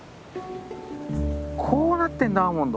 こうなってんだアーモンド。